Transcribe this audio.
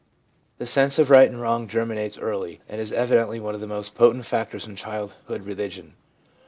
The sense of right and wrong germinates early, and is evidently one of the most potent factors in childhood religion.